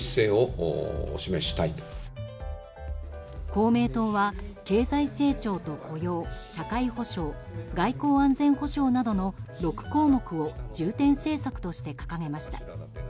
公明党は経済成長と雇用社会保障外交・安全保障などの６項目を重点政策として掲げました。